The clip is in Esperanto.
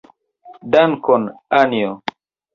Dankon, Anjo.